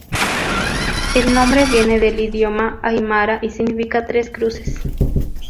El nombre viene del idioma aimara y significa tres cruces.